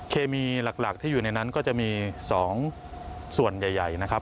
เคมีหลักที่อยู่ในนั้นก็จะมี๒ส่วนใหญ่นะครับ